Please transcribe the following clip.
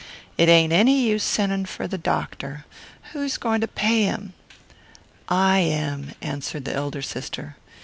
"It ain't any use sending for the doctor and who's going to pay him?" "I am," answered the elder sister.